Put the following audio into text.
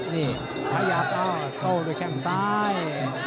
นี่ขยับโต้ด้วยแข่งซ้าย